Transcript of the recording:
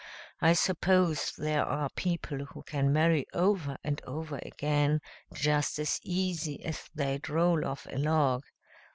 I suppose there are people who can marry over and over again, just as easy as they'd roll off a log.